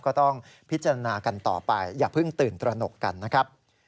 ก็ต้องพิจารณากันต่อไปอย่าเพิ่งตื่นตระหนกกันนะครับ